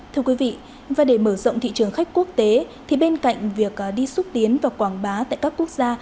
thưa quý vị và để mở rộng thị trường khách quốc tế thì bên cạnh việc đi xúc tiến và quảng bá tại các quốc gia